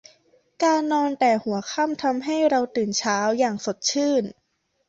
การนอนแต่หัวค่ำ ทำให้เราตื่นเช้า อย่างสดชื่น